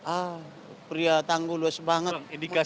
ah pria tangguh luas banget